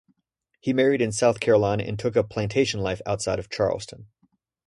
He married in South Carolina and took up plantation life outside of Charleston.